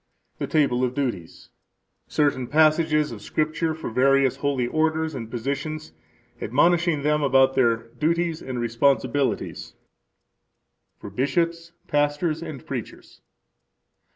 Table of Duties Certain passages of scripture for various holy orders and positions, admonishing them about their duties and responsibilities For Bishops, Pastors, and Preachers.